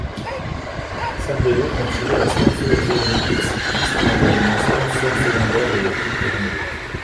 Cervélo continue à sponsoriser une équipe cycliste en devenant sponsor secondaire de l'équipe Garmin.